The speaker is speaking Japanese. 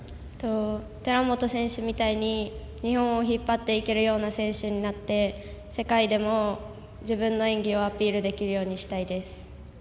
寺本選手みたいに日本を引っ張っていけるような選手になって世界でも自分の演技をアピールできるようにしたいです。